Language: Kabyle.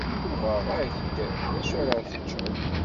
Uɣeɣ-ak-d d acu ara teččeḍ.